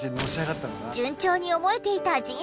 順調に思えていた人生。